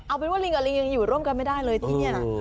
เอาเป็นว่าลิงกับลิงยังอยู่ร่วมกันไม่ได้เลยที่นี่นะ